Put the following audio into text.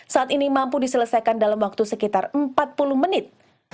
saat ini mampu diselesaikan dalam waktu sekitar empat puluh menit